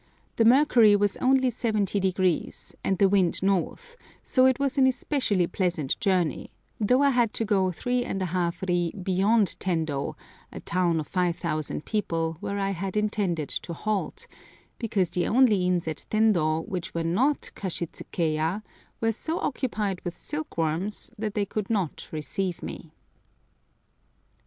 The mercury was only 70°, and the wind north, so it was an especially pleasant journey, though I had to go three and a half ri beyond Tendo, a town of 5000 people, where I had intended to halt, because the only inns at Tendo which were not kashitsukeya were so occupied with silk worms that they could not receive me.